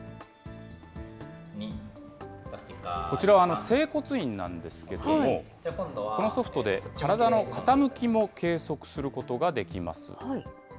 こちらは整骨院なんですけども、このソフトで体の傾きも計測することができます。